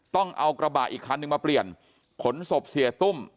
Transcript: ต้องเอากระบะอีกคันนึงมาเปลี่ยนขนศพเสียตุ้ม